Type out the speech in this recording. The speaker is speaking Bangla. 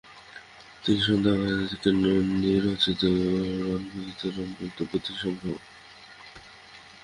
তিনি সন্ধ্যাকর নন্দী রচিত রামচরিতম্ বা রামচরিতমানস পুঁথির সংগ্রাহক।